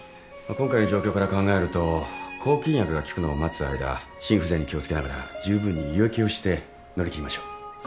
今回の状況から考えると抗菌薬が効くのを待つ間心不全に気を付けながら十分に輸液をして乗り切りましょう。